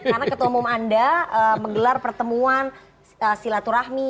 karena ketemu anda menggelar pertemuan silaturahmi